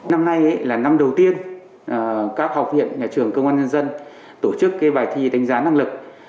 năm nay là năm đầu tiên các học viện nhà trường công an nhân dân tổ chức bài thi đánh giá năng lực